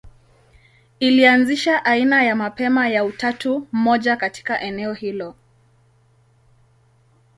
Ilianzisha aina ya mapema ya utatu mmoja katika eneo hilo.